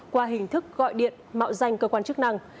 qua hình thức gọi điện mạo danh cơ quan chức năng